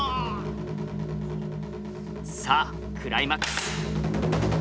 さあクライマックス。